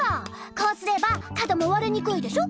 こうすれば角もわれにくいでしょ。